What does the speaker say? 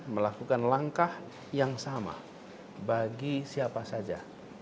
melakukan langkah yang sama bagi siapa saja